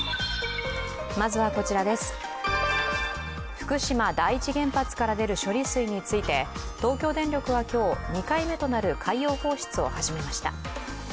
福島第一原発から出る処理水について東京電力は今日、２回目となる海洋放出を始めました。